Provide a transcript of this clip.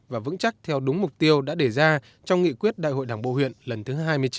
và vững chắc theo đúng mục tiêu đã đề ra trong nghị quyết đại hội đảng bộ huyện lần thứ hai mươi chín